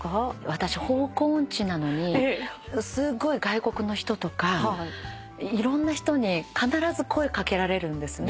私方向音痴なのにすごい外国の人とかいろんな人に必ず声掛けられるんです。